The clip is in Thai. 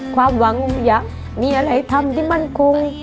ความหวังอยากมีอะไรทำที่มั่นคง